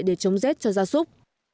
để chống rét cho gia súc